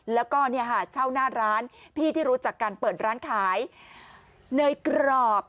แล้วก็เช่าหน้าร้านพี่ที่รู้จักการเปิดร้านขายเนยกรอบ